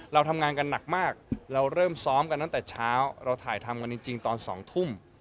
เราทำงานกันหนักมากเราเริ่มซ้อมกันตั้งแต่เช้าเราถ่ายทำกันจริงตอน๒ทุ่ม